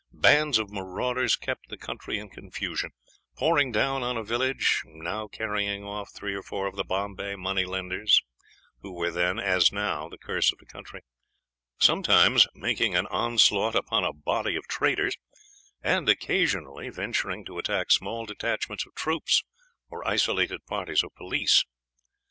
Bands of marauders kept the country in confusion, pouring down on a village, now carrying off three or four of the Bombay money lenders, who were then, as now, the curse of the country; sometimes making an onslaught upon a body of traders; and occasionally venturing to attack small detachments of troops or isolated parties of police.